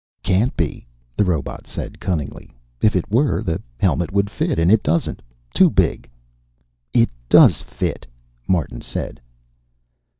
"Can't be," the robot said cunningly. "If it were, the helmet would fit, and it doesn't. Too big." "It does fit," Martin said.